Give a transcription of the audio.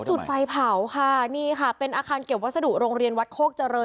จุดไฟเผาค่ะนี่ค่ะเป็นอาคารเก็บวัสดุโรงเรียนวัดโคกเจริญ